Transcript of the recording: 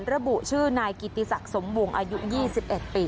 ระบุชื่อนายกิติศักดิ์สมวงอายุ๒๑ปี